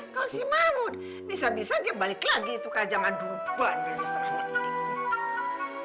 kalau si mahmud bisa bisa dia balik lagi tukar zaman dulu bener bener sama mahmud